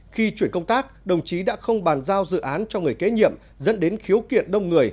khi chuyển công tác đồng chí đã không bàn giao dự án cho người kế nhiệm dẫn đến khiếu kiện đông người